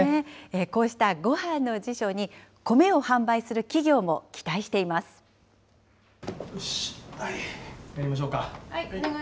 こうしたごはんの辞書に、コメを販売する企業も期待しやりましょうか。